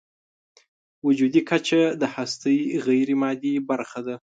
وجودي کچه د هستۍ غیرمادي برخه ده.